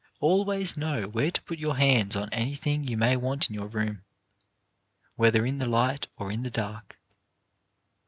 Always know where to put your hands on anything you may want in your room, whether in the light or in the dark.